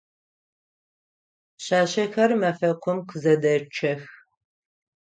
Пшъашъэхэр мэфэкум къызэдэчъэх.